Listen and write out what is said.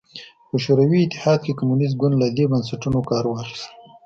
په شوروي اتحاد کې کمونېست ګوند له دې بنسټونو کار واخیست